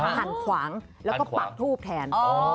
หันขวางแล้วก็ปักทูบแทน